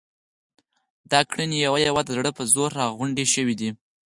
دا ګړنی یوه یوه د زړه په زور را غونډې شوې دي.